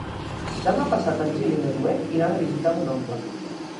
Demà passat en Gil i na Zoè iran a visitar mon oncle.